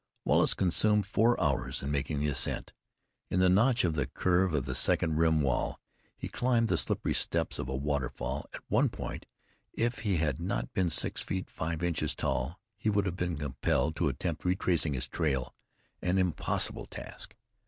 Wallace consumed four hours in making the ascent. In the notch of the curve of the second rim wall, he climbed the slippery steps of a waterfall. At one point, if he had not been six feet five inches tall he would have been compelled to attempt retracing his trail an impossible task.